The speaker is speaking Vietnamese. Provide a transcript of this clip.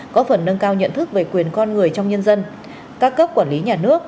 có phần nâng cao nhận thức về quyền con người trong nhân dân các cấp quản lý nhà nước